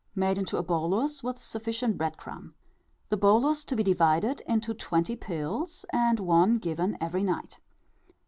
xv. made into a bolus with sufficient bread crumb; the bolus to be divided into twenty pills, and one given every night.